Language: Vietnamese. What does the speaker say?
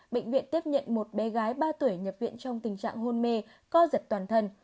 bệnh viện tiếp nhận một bé gái ba tuổi nhập viện trong tình trạng hôn mê co giật toàn thân